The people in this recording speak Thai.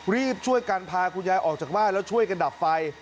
รีบช่วยกันพาคุณยายออกจากบ้านแล้วช่วยกันดับไฟ